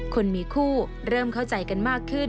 คนมีคู่เริ่มเข้าใจกันมากขึ้น